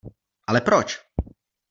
Ale proč?